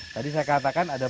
tadi saya katakan ada